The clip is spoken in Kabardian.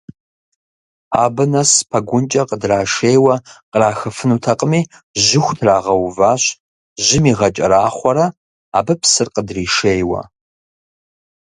Абы нэс пэгункӏэ къыдрашейуэ кърахыфынутэкъыми, жьыху трагъэуващ, жьым игъэкӏэрахъуэрэ абы псыр къыдришейуэ.